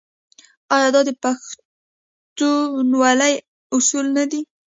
آیا دا د پښتونولۍ اصول نه دي؟